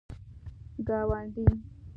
گاونډی